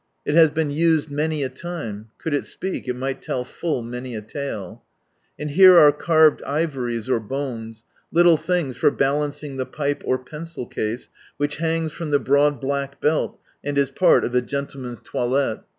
It has been used many a time, could it speak, it might tell full many a taie. And here are carved ivories (or bones), little things for balancing the pipe or pencil case, which hangs from the broad black belt, and is part of a gentleman's toilette.